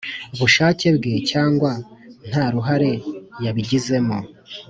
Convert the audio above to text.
bushake bwe cyangwa nta ruhare yabigizemo